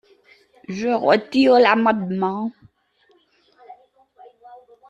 Je retire l’amendement.